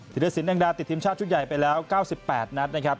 ธิริษฐศิลป์แห่งดาวน์ติดทีมชาติชุดใหญ่ไปแล้ว๙๘นัดนะครับ